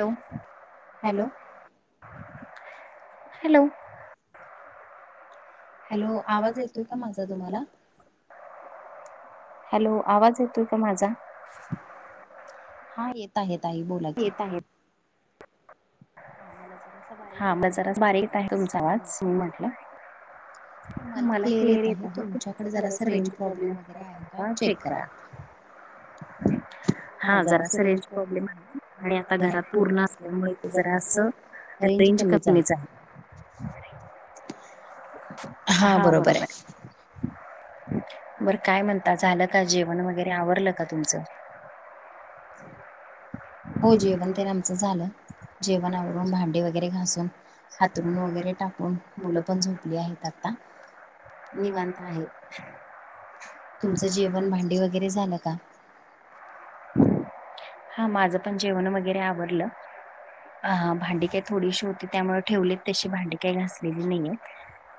Hello? Hello? Hello? Hello? आवाज येतो का, म्हंटल तुम्हाला? हॅलो? आवाज येतोय का, माझा? हां, येत आहे, येत आहे, बोला की. आम्हालाच हां, [unintelligible] बारीक येत आहे क, तुमचा आवाज? मी म्हटलं मला क्लिअर येत आहे, [unintelligible] कड रेंज प्रॉब्लेम [inaudible] चेक करा. हम् [unintelligible] हां, जरा असं, रेंज प्रॉब्लेम आणि आता, घरात पूर्ण असल्यामुळे, जरा असं रेंज कमीच आहे. [inaudible] हां बरोबर आहे. बरं काय म्हणता, झालं का जेवण वगैरे आवरलं का तुमचं? [inaudible] हो जेवण तेन आमचं झालं. जेवण आवरून भांडी वगैरे घासून, हातरून वगैरे टाकून, मुलं पण झोपली आहेत ता,, निवांत आहे. [inaudible] तुमचं जेवण भांडी वगैरे झालं का? हा माझं पण जेवण वगैरे आवरलं. हा भांडी काय थोडीशी होती त्यामुळं ठेवलीत तशी, भांडी काय घासलेली नाहीयेत.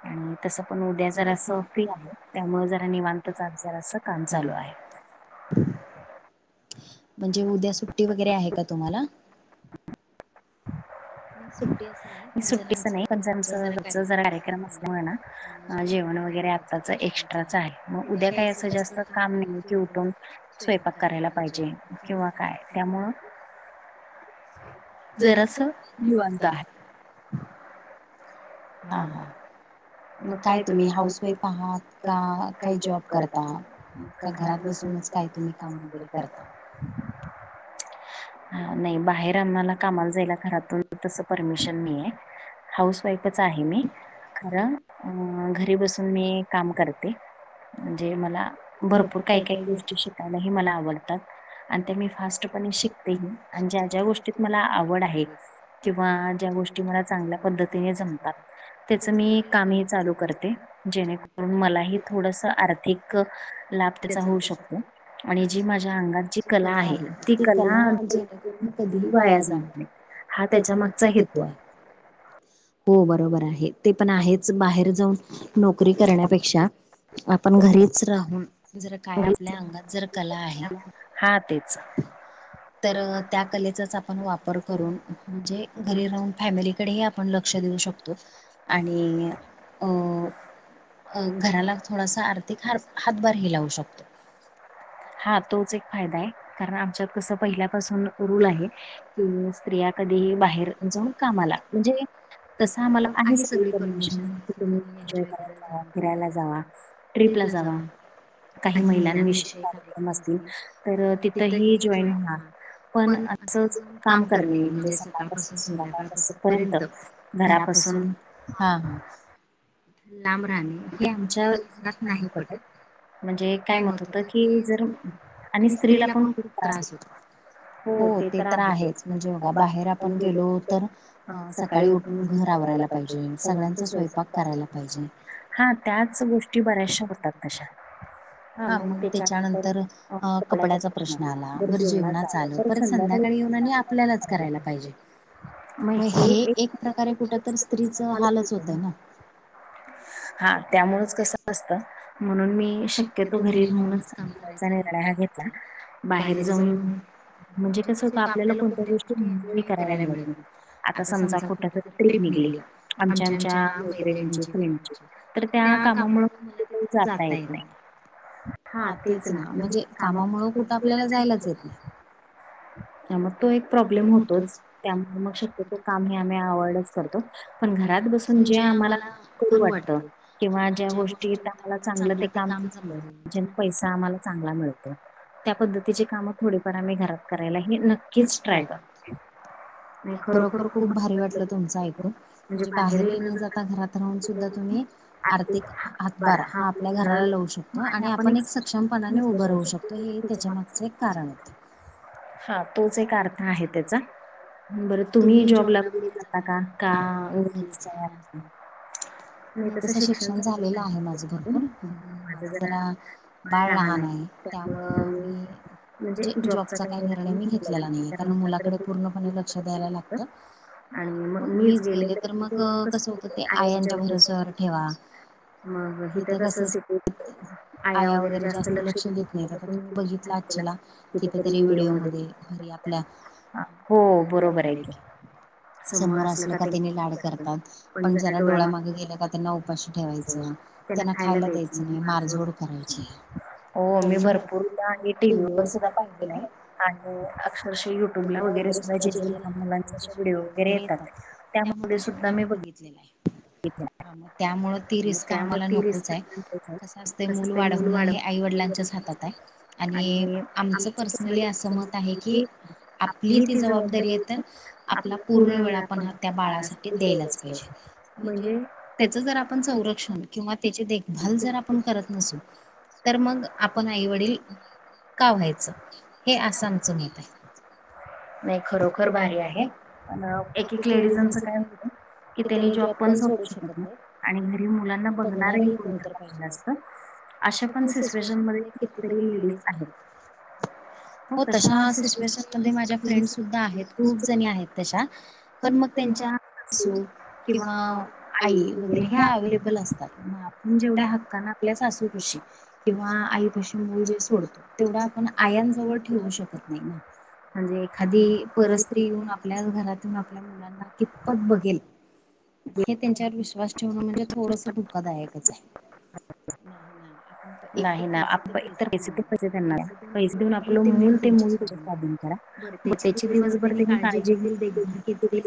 आणि तसं पण उद्या जरासं फ्री आहे,, त्यामुळे जरा निवांतच आज जरासं काम चालू आहे. जे उद्या सुट्टी वगैरे आहे का तुम्हाला? सुट्टीच नाही, पण आमचं घरचं जरा कार्यक्रम असल्यामुळे ना, अ जेवण वगैरे आताच एक्स्ट्राच आहे,, मग उद्या काही असं जास्त काम नाही की उठून स्वयंपाक करायला पाहिजे किंवा काय,, त्यामुळं जरासं निवांत आहे. हम्म. मग काय तुम्ही हाऊसवाईफ,, काय जॉब करताय? का घरात बसूनच काहितरी काम करताय? हा नाही, बाहेर आम्हाला कामाला जायला घरातून तसं परमिशन नाहीयेय. हाऊस वाईफच आहे मी,, खरं अ घरी बसून मी काम करते. म्हणजे मला, भरपूर काही काही गोष्टी शिकायलाही मला आवडतात. आणि ते मी फास्ट पणे शिकते. आणि ज्या ज्या गोष्टीत मला आवड आहे,, किंवा ज्या गोष्टी मला चांगल्या पद्धतीने जमतात. त्याच मी काम कामे चालू करते,, जेणेकरून मलाही थोडंसं आर्थिक लाभ त्याचा होऊ शकतो. म्हणजे माझ्या अंगात जी कला आहे, ती कला जेणे कधीही वाया जाण, हा त्याच्या मागचा हेतू आहे. हो बरोबर आहे, ते पण आहेच,, बाहेर जाऊन नोकरी करण्यापेक्षा, आपण घरीच राहून जर काय आपल्या अंगात जर कला आहे,, हा तेच, तर त्या कलेचाच आपण वापर करून,, म्हणजे घरी राहून फॅमिलीकडेही आपण लक्ष देऊ शकतो. आणि अ अ घराला थोडासा आर्थिक ह हातभार हि लाऊ शकतो,,, हा तोच एक फायदा आहे, कारण आमच्यात कसं पहिल्यापासून रूल आहे,, कि स्त्रिया कधी बाहेर जाऊन कामाला, म्हणजे तसं आम्हाला आहे सगळी परमीशन,, की तुम्ही एन्जॉय करायला जावा, फिरायला जावा. ट्रीपला जावा. काही महिलांनविषयी कार्यक्रम असतील,, तर तिथं ही जॉईन व्हा. पण असं जाऊन काम करणे, म्हणजे सकाळपासून संध्याकाळपासून पर्यंत, घरापासून हा हा, लांब राहणे,, हे आमच्या घरात नाही पटत. म्हणजे काय मत होतं की,, जर, आणि स्त्रीला पण खूप त्रास होतो हो ते तर आहेच,, बाहेर आपण गेलो तर सकाळी उठून घर आवरायला पायजे सगळ्यांचा स्वयपाक करायला पाहिजे. हा त्याच गोष्टी बऱ्याचशा होतात तशा. हा, मग त्याच्यानंतर अ कपड्याचा प्रश्न आला, बर जेवणाच आलं. परत संध्याकाळी येऊन आणि आपल्यालाच करायला पाहिजे. मग, हे एक प्रकारे कुठ तर स्त्रीच हालच होतय ना? हा, त्यामुळेच कस असत म्हणून मी शक्यतो घरी राहूनच काम करायचा निर्णय [inaudible] बाहेर जाऊन म्हणजे कसं आहे का? आपल्याला कोणत्या गोष्टी एन्जॉय करायला मिळत नाही, आता समजा कुठ तरी ट्रिप निघली आमच्या, आमच्या मैत्रिणींची, फ्रेंडची तर त्या कामामुळे मला तिथं जाता येत नाही. हा, तेच ना, म्हणजे कामामुळं कुठं आपल्याला जायलाच येत नाही. त्यामुळे तो एक प्रॉब्लेम होतोच, त्यामुळे मग शक्यतो काम हे आम्ही अव्हॉईडच करतो. पण घरात बसून जे आम्हाला करू वाटतं किंवा ज्या गोष्टी आम्हाला चांगलं, ते काम [inaudible] पैसा आम्हाला चांगला मिळतो. त्या पद्धतीची कामं थोडीफार आम्ही घरात करायला हे नक्कीच ट्राय करतो. नाही, खरोखर खूप भारी वाटलं तुमचं ऐकून, म्हणजे बाहेरही न जाता घरात राहून सुद्धा तुम्ही आरतीत हातभार हा आपल्या घराला लावू शकतो आणि आपण एक सक्षमपणे उभं राहू शकतो, हे एक त्याच्यामागचं एक कारण आहेत ते हा तोच एक अर्थ आहे. त्याचा बरं, तुम्ही जॉबला कुठं जाता का? का [inaudible] नाही, तसं शिक्षण झालेलं आहे माझं भरपूर, पण माझं जरा बाळ लहान आहे, त्यामुळं मी म्हणजे जॉबचं काही नाही निर्णय मी घेतलेला नाही, कारण मुलाकडे पूर्णपणे लक्ष द्यायला लागतं आणि मग मीच गेले तर कसं होतं, आयांच्या भरोसावर ठेवा मग हिथं कसं, आया वगैरे जास्त लक्ष देत नाहीत, आता तुम्ही बघितलं आसचीला कितीतरी व्हिडिओमध्ये, घरी आपल्या हो, बरोबर आहे की समोर असलं का ते घडतं, पण जरा डोळ्या माग त्यांना खायला द्यायचं. मड [inaudible] हो, मी भरपूर... आणि टीव्हीवर सुद्धा पाहिलंय आणि अक्षरशः युट्यूबला वगैरे सुद्धा जे लहान मुलांचे असे व्हिडिओ वगैरे येतात त्यामध्ये सुद्धा मी बघि जलेला आहे. विठ्ठला हा मग त्यामुळं ती रिस्क आम्हाला नकोच आहे, कसं असत मूल वाढवणं हे आई वडिलांच्याच हातात आणि आमचं पर्सनली असं मत आहे की, आपली ती जबाबदारी आहे, तर आपला पूर्ण वेळ आपण हा त्या बाळासाठी द्यायलाच पाहिजे म्हणजे त्याच जर आपण संरक्षण किंवा त्याची देख भाल जर आपण करत नसो तर मग आपण आई-वडील का व्हायचं? हे असं आमचं मत आहे. खरंच भारी आहे, एक एक लेडीजांचं काय होतं की त्यांनी जॉब पण सोडू शकत नाही आणि घरी मुलांना बघणारही कोणी असतं अशा पण सचुएशन मध्ये कितेक लेडिज आहेत. हो तशा सिच्युएशन मध्ये माझ्या फ्रेंड्स सुद्धा आहेत, खूप जणी आहेत तशा पण त्यांच्या सुन किंवा आई वगैरे हे अवेलेबल असतात. जेवढ्या हक्काने आपल्या सासूपाशी किंवा आई पाशी मूल जे सोडतो तेवढा पण आयांजवळ ठेवू शकत नाही ना. म्हणजे एखादी परस्त्री येऊन आपल्याच घरातून आपल्या मुलांना कितपत बघेल. हे त्यांच्यावर विश्वास ठेवण म्हणजे थोडस धोकादायकच आहे. नाही ना आप इतर. आपल मूल ते मूल त्यांच्या स्वाधीन करा बर त्याची दिवसभर त्यांनी काळजी घेतीलेली बरी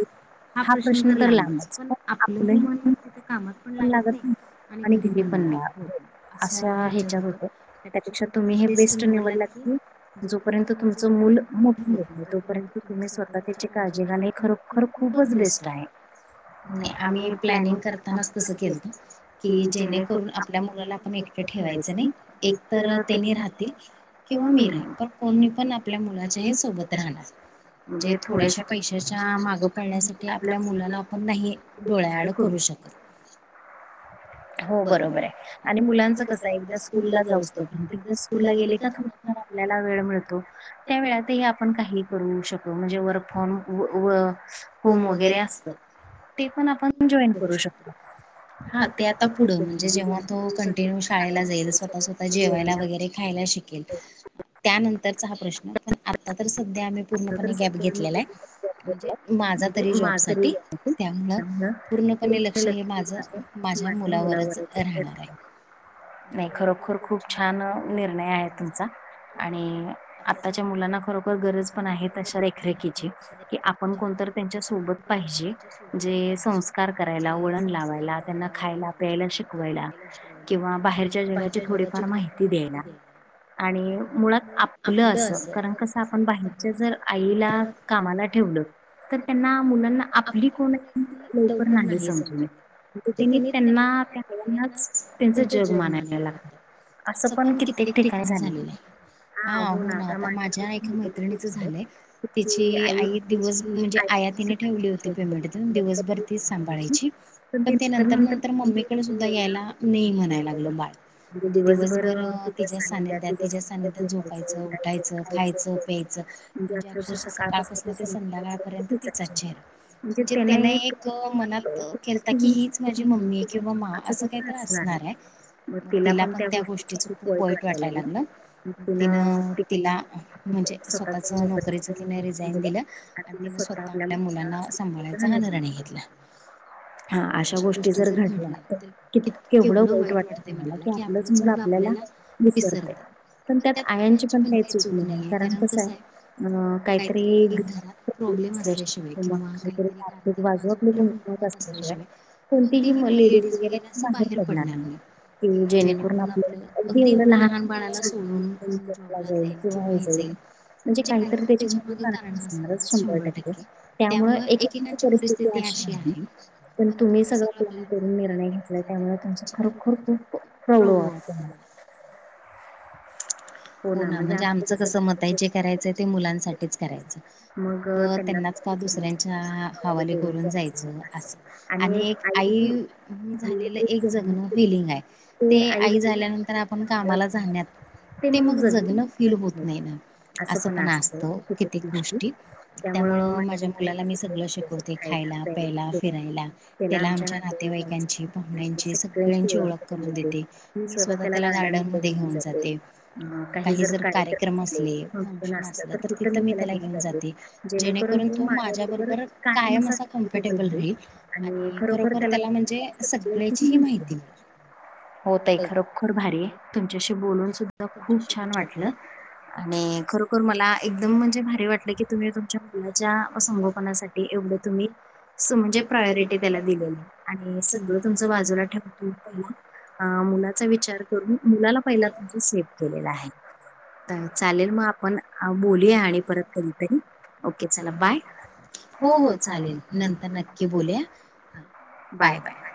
हा प्रश्न तर लांबच पण आपलही मन तिथ कामात पण लागत नाही. आणि घरी पण या हो अशा ह्याच्यात होत. त्यापेक्षा तुम्ही हे बेस्ट निवडलात की? हम. जोपर्यंत तुमच मूल मोठ होत तोपर्यंत तुम्ही स्वतः त्याची काळजी घा नाही खर खर खूपच बेस्ट आहे आम्ही प्लॅन त्यांनाच तस केलत. कि जेणेकरून आपल्या मुलाला आपण एकटे ठेवायच नाही एक तर त्यांनी राहतील किंवा मी राहीन पण कोणी पण आपल्या मुलाच्याही सोबत राहणार म्हणजे थोड्याशा पैशाच्या माग पळण्यासाठी आपल्या मुलाला आपण नाही डोळ्याआड करू शकत. हो बरोबर आहे आणि मुलांच कस आहे एकदा स्कूलला जाऊचतो त स्कूलला गेले का थोड आपल्याला वेळ मिळतो त्या वेळातही आपण काही करू शकतो म्हणजे वर्क फॉम व होम वगैरे असत ते पण आपण जॉईन करु शकतो हा त्यात ता पुढ म्हणजे जेव्हा तो कंटिन्यू शाळेला जाईल स्वतः स्तः ता जेवायला वगैर रेखायला शिकेल त्या नंतर चा हा प्रश्न पण आत्ता तर सध्या आम्ही पूर्णपणे गॅप घेतलेला आहे म्हणजे माझा तरी जॉब साठी त्यामुळ पूर्णपणे लक्ष हे माझ माझ्या मुलावरच राहणार आहे. नाही खरोखर खूप छान निर्णय आहे तुमचा आता. मुलांना. खरोखर गरज पण आहे तशा रेखरेखीची की आपण कोणतरी त्यांच्या सोबत पाहिजे. जे संस्कार करायला वळण लावायला त्यांना खायला प्यायला शिकवायला. किंवा बाहेरच्या जगाची थोडीफार माहिती द्यायला. आणि मुळात आपल अस कारण कस आपण जर आईला कामाला ठेवलं तर त्यांना मुलांना आपली कोण? आणि लवकर नाही समजून येत. म्हणजे त्यांनी त्यांनाच आयांनाच त्यांच जग मानायला लागतात. अस पण कित्येक ठिकाणी झालेल आहे हा हो ना आता माझ्या आई काय कर्णिच झालय. तिची आई दिवस म्हणजे आया तिने ठेवली होती पेमेंट देऊन दिवसभर तीच सांभाळायची. पण ते नंतर नंतर मम्मीकडे सुद्धा यायला मी म्हणायला लागल बाळ. म्हणजे दिवसभर तिच्याच सानिध्यात तिच्या सानिध्यात झोपायच उठायच खायच प्यायच म्हणजे अक्षरशः सकाळपासून ते संध्याकाळपर्यंत तिचाच चेहरा. म्हणजे त्यांन एक मनात केता की हीच माझी मम्मी किंवा म अस ते तर असणार आहे. तिला पण त्या गोष्टीच खूप वाईट वाटायला लागल म तिन लाल म्हणजे स्वतःच नोकरीच तिने रिझाइन दिल. अन तिन स्वतः आपल्या मुलांना सांभाळण्याचा मी निर्णय घेतला. हा अशा गोष्टी जर घडल्या तर किती केवढं वाईट वाटतंय मनाला. कि आपलं चांगलं आपल्यालाच विसरतय. पण त्यात आयांची पण काही चुक नाही कारण मग कसं आहे. अ काहीतरी घरात प्रॉब्लेम असल्याशिवाय किंवा काहीतरी आर्थिक बाजू आपली मत असल्याशिवाय कोणतीही म लेडीज वगैरे असं बाहेर पडणार नाही. तेनं जेणेकरून आपलं अगदी एवढं लहान बाळाला सोडुन कोन जॉब ला जाईल किंवा हे जाईल म्हणजे काहीतरी त्याच्यामागे कारण असणारचं शंभर टक्के त्यामुळे एकेक जनांची परि स्थिती अशी आहे. पण तुम्ही सगळा प्लॅन करून निर्णय घेतला त्यामुळे तुमचं खरोखर खूप प्राऊढ वाटतं मला. हो ना म्हणजे आमचं कस मत आहे जे करायचंय ते मुलांसाठीच करायचं मग त्यांना मग दुसऱ्यांच्या हवाले करून जायचं असं आणि एक आई मुल झालेलं एक जगणं फिलिंग आहे. ते आई झाल्यानंतर आपण कामाला जाण्यात ते मग जगं दुध फीड होत नाही ना. असं पण असतं हो कित्येक गोष्टी त्यामुळं माझ्या मुलाला मी सगळं शिकवते. ते खायला प्यायला फिरायला त्याला आमच्या नातेवाईकांची पाहुण्यांची सगळ्यांची ओळख करून देते. मी स्वतः त्याला गार्डनमध्ये घेऊन जाते. अ काही जर कार्यक्रम असले फंक्शन असलं तर तिथं मी त्याला घेऊन जाते. जेणेकरून तो माझ्याबरोबर कायम असा कम्फर्टेबल राहील आणि खरोखर त्याला म्हणजे सगळ्यांची ही माहिती मिळल. हो ताई खरोखर भारी आहे. तुमच्याशी बोलून सुद्धा खूप बरं वाटलं. आणि खरोखर मला एकदम म्हणजे भारी वाटलं की तुम्ही तुमच्या मुलाच्या संगोपनासाठी की एवढं तुम्ही असं म्हणजे प्रायोरिटी त्याला दिलीये आणि सगळं तुमचं बाजूला ठेवून ह हो का मुलाचा विचार करून मुलाला पहिला जसं सेफ केलेला आहे. ह [unintelligible] हम चालेल मग आपण बोलूया आणि परत कधीतरी ओके चला बाय. हो हो चालेल नंतर नक्की बोलूया. हा बाय. बाय.